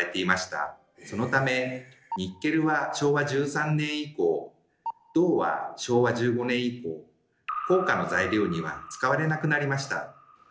そのためニッケルは昭和１３年以降銅は昭和１５年以降硬貨の材料には使われなくなりました。